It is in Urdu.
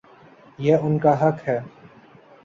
یہ ان کا حق ہے۔